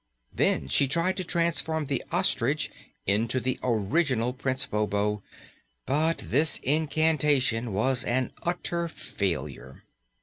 Then she tried to transform the ostrich into the original Prince Bobo, but this incantation was an utter failure.